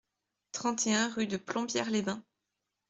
trente et un rue de Plombières-les-Bains